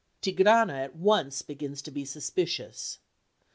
Tigrana at once begins to be suspicious.